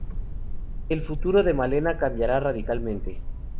El futuro de Malena cambiara radicalmente.